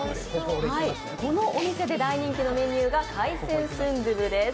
このお店で大人気のメニューが海鮮スンドゥブです。